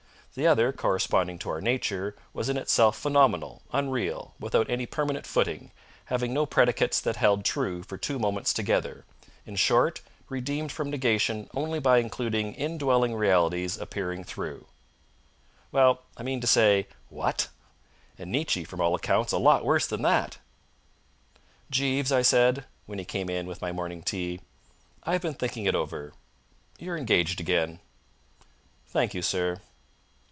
The other, corresponding to our Nature, was in itself phenomenal, unreal, without any permanent footing, having no predicates that held true for two moments together, in short, redeemed from negation only by including indwelling realities appearing through_. Well I mean to say what? And Nietzsche, from all accounts, a lot worse than that! "Jeeves," I said, when he came in with my morning tea, "I've been thinking it over. You're engaged again." "Thank you, sir."